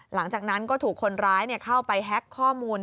หลังจากนั้นก็ถูกคนร้ายเข้าไปแฮ็กข้อมูล